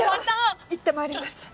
ではいってまいります。